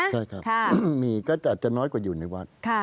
ใช่ครับมีก็อาจจะน้อยกว่าอยู่ในวัด